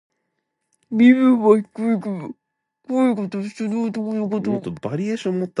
身分は低いが、口が達者な男のこと。